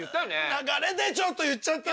流れでちょっと言っちゃった。